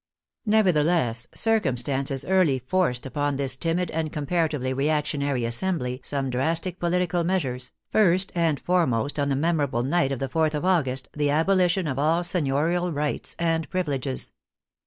Never theless, circumstances early forced upon this timid and comparatively reactionary Assembly some drastic political measures, first and foremost on the memorable night of the 4th of August, the abolition of all seignorial rights and privileges.